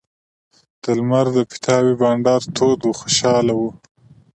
د لمر د پیتاوي بنډار تود و خوشاله وو.